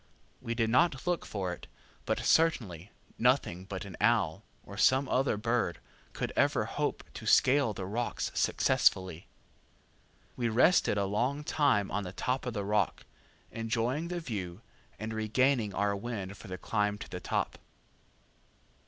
We did not look for it, but certainly nothing but an owl, or some other bird, could ever hope to scale the rocks successfully. We rested a long time on the top of the rock, enjoying the view, and regaining our wind for the climb to the top.